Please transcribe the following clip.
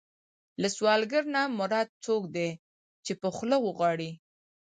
له سوالګر نه مراد څوک دی چې په خوله وغواړي.